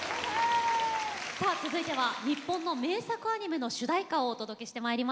さあ続いては日本の名作アニメの主題歌をお届けしてまいります。